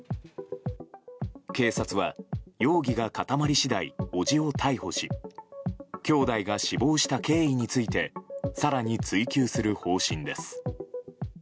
警察は容疑が固まり次第伯父を逮捕し兄弟が死亡した経緯について更に追及する方針です。